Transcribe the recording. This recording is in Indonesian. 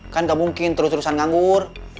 kan gak mungkin terus terusan nganggur